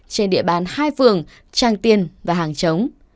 trên địa bàn hai phường trang tiên và hàng chống